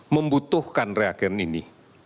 membutuhkan reagen ini